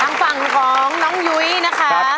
ฝั่งของน้องยุ้ยนะคะ